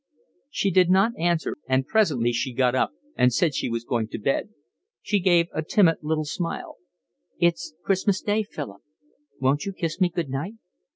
She did not answer, and presently she got up and said she was going to bed. She gave a timid little smile. "It's Christmas Day, Philip, won't you kiss me good night?"